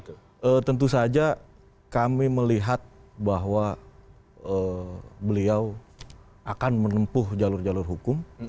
ya tentu saja kami melihat bahwa beliau akan menempuh jalur jalur hukum